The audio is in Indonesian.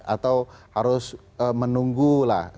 atau harus menunggulah